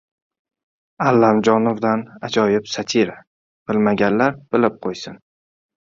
Allamjonovdan ajoyib satira: “Bilmaganlar bilib qo‘ysin!"